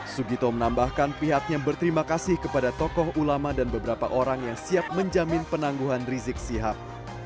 sugito menambahkan pihaknya berterima kasih kepada tokoh ulama dan beberapa orang yang siap menjamin penangguhan rizik sihab